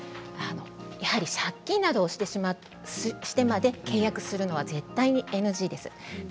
やはり借金などをしてまで契約するのは絶対にＮＧです。